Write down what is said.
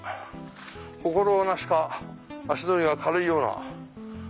心なしか足取りが軽いような。